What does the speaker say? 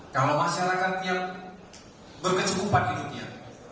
kalau masyarakat yang berkecumpan hidupnya